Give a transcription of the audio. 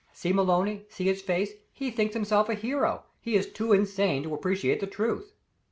"See Maloney see his face; he thinks himself a hero he is too insane to appreciate the truth."